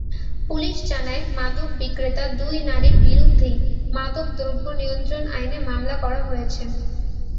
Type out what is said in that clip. Police জানায়, মাদকবিক্রেতা দুই নারীর বিরুদ্ধেই মাদকদ্রব্য নিয়ন্ত্রণ আইনে মামলা করা হয়েছে।